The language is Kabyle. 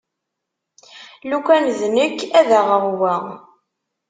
Lukan d nekk ad aɣeɣ wa.